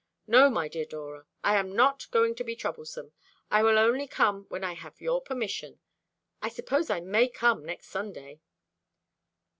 No, my dear Dora, I am not going to be troublesome. I will only come when I have your permission. I suppose I may come next Sunday?"